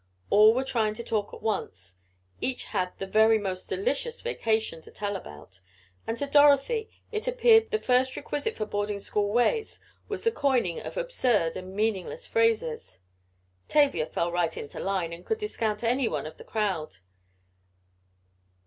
All were trying to talk at once, each had "the very most delicious vacation" to tell about, and to Dorothy it appeared the first requisite for boarding school ways was the coining of absurd and meaningless phrases. Tavia fell right into line, and could discount anyone of the crowd.